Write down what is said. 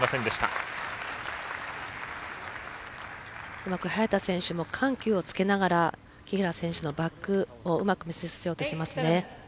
うまく早田選手も緩急をつけながら木原選手のバックをうまくミスさせようとしていますね。